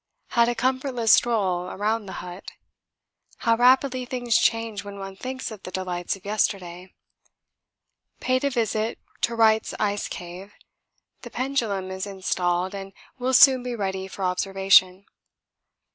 Had a comfortless stroll around the hut; how rapidly things change when one thinks of the delights of yesterday! Paid a visit to Wright's ice cave; the pendulum is installed and will soon be ready for observation.